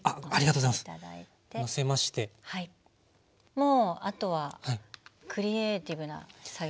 もうあとはクリエーティブな作業ってことで。